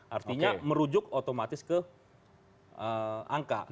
artinya merujuk otomatis ke angka